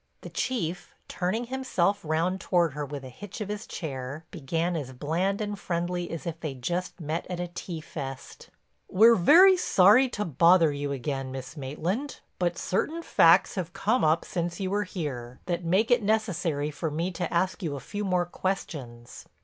The Chief, turning himself round toward her with a hitch of his chair, began as bland and friendly as if they'd just met at a tea fest. "We're very sorry to bother you again, Miss Maitland. But certain facts have come up since you were here that make it necessary for me to ask you a few more questions."